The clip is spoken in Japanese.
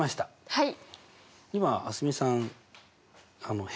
はい。